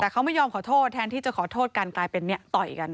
แต่เขาไม่ยอมขอโทษแทนที่จะขอโทษกันกลายเป็นต่อยกัน